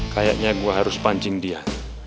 kayaknya gue harus pancing dia